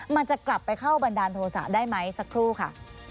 มันจะกลับไปเข้าบันดาลโทษะได้ไหมสักครู่ค่ะ